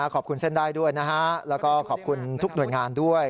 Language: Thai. ขอบคุณเส้นได้ด้วยนะฮะแล้วก็ขอบคุณทุกหน่วยงานด้วย